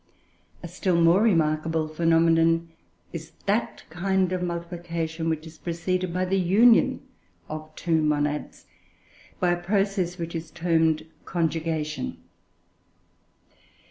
A still more remarkable phenomenon is that kind of multiplication which is preceded by the union of two monads, by a process which is termed conjugation.